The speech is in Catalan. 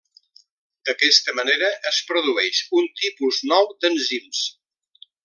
D'aquesta manera es produeix un tipus nou d'enzims.